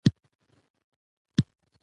بل دا چې زما په اند یونلیک یو حقیقت دی.